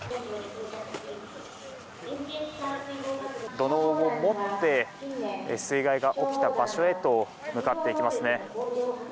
土のうを持って水害が起きた場所へと向かっていきますね。